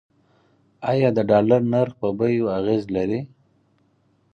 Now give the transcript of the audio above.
آیا د ډالر نرخ په بیو اغیز لري؟